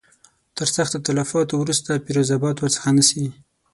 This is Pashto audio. تر سختو تلفاتو وروسته فیروز آباد ورڅخه نیسي.